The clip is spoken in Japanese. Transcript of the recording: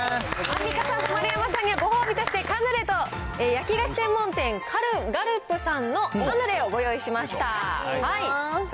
アンミカさんと丸山さんには、ご褒美としてカヌレと、焼き菓子専門店、ガルプさんのカヌレをご用意しました。